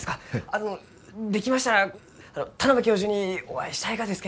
あのできましたら田邊教授にお会いしたいがです